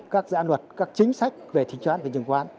các giãn luật các chính sách về thị trấn và chứng khoán